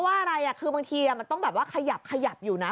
เพราะว่าอะไรมันต้องแบบว่าขยับอยู่นะ